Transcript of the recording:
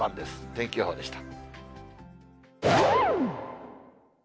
天気予報でした。